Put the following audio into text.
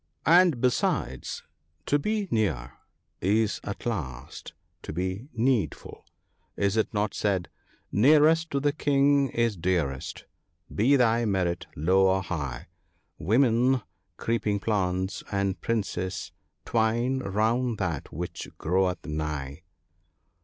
" and besides, to be near is at last to be needful ;— is it not said, —" Nearest to the King is dearest, be thy merit low or high ; Women, creeping plants, and princes, twine round that which groweth nigh.